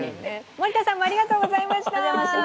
森田さんもありがとうございました。